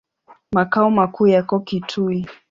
Makao makuu yako Kitui.